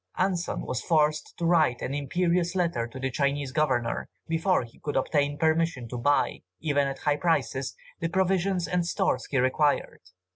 Anson was forced to write an imperious letter to the Chinese Governor, before he could obtain permission to buy, even at high prices, the provisions and stores he required.